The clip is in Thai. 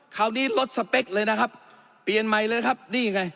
คราวนี้ลดสเปคเลยนะครับเปลี่ยนใหม่เลยครับนี่ไง